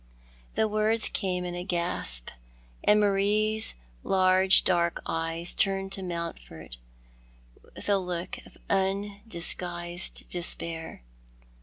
The words came in a gasp, and Marie's large dark eyes turned to Mountford with a look of undisguised despair.